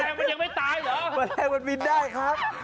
แต่มันยังไม่ตายเหรออะไรมันบินได้ครับ